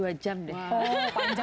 oh panjang ya